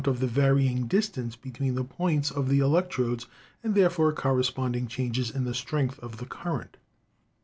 of the varying distance between the points of the elec trodes and therefore corresponding changes in the strength of the current.